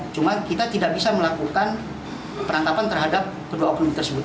cuma kita tidak bisa melakukan perantapan terhadap kedua oknum tersebut